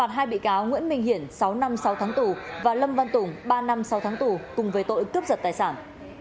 phạt hai bị cáo nguyễn minh hiển sáu năm sau tháng tù và lâm văn tùng ba năm sau tháng tù cùng với tội cấp giật tài sản